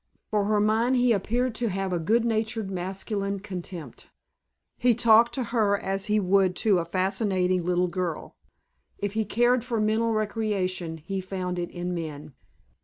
For her mind he appeared to have a good natured masculine contempt. He talked to her as he would to a fascinating little girl. If he cared for mental recreation he found it in men.